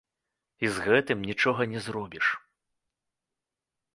І з гэтым нічога не зробіш.